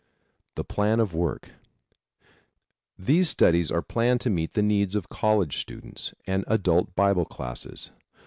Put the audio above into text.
THE PLAN OF WORK. These studies are planned to meet the needs of college students and adult Bible classes.